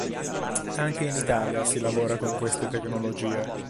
Anche in Italia si lavora con queste tecnologie.